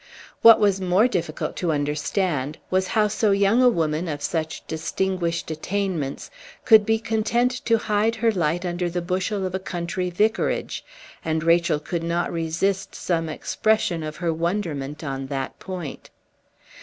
What was more difficult to understand was how so young a woman of such distinguished attainments could be content to hide her light under the bushel of a country vicarage; and Rachel could not resist some expression of her wonderment on that point.